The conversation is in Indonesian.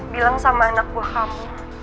bilang sama anak buah kamu